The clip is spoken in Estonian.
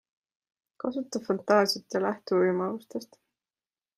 Kasuta fantaasiat ja lähtu võimalustest.